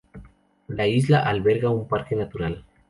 La isla alberga un parque natural.